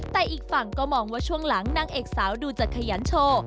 แต่อีกฝั่งก็มองว่าช่วงหลังนางเอกสาวดูจะขยันโชว์